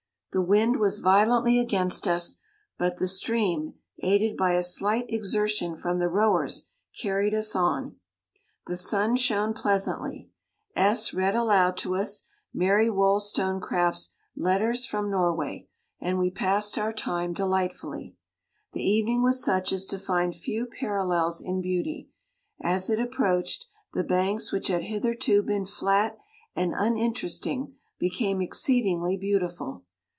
The wind was violently against us, but the stream, aided by a slight exertion from the rowers, carried us on ; the sun shone 62 pleasantly, S read aloud to us Mary WollstonecrafVs Letters from Norway, and we passed our time delightfully. The evening was such as to find few parallels in beauty ; as it approached, the banks which had hitherto been flat and uninteresting, became exceed ingly beautiful.